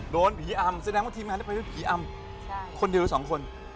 โดนผีอ้ำแสดงว่าทีมงานได้ไปด้วยผีอ้ำใช่คนเดียวกันสองคน